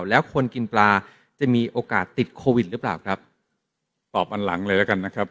แล้วคนกินปลาจะมีโอกาสติดโควิดหรือเปล่าครับตอบอันหลังเลยแล้วกันนะครับ